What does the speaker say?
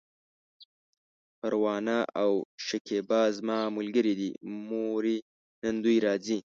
پروانه او شکيبه زما ملګرې دي، مورې! نن دوی راځي!